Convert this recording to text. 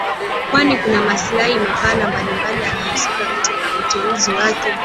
Kwani kuna maslahi mapana mbalimbali yanaohusika katika uteuzi wake